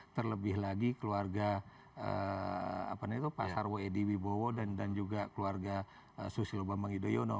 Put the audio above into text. terlebih lagi keluarga apa namanya itu pasar w e d wibowo dan juga keluarga susilo bambang yudhoyono